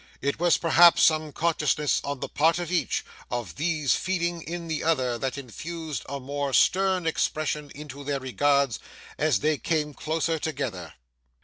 It was perhaps some consciousness on the part of each, of these feelings in the other, that infused a more stern expression into their regards as they came closer together.